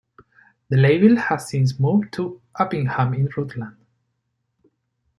The label has since moved to Uppingham in Rutland.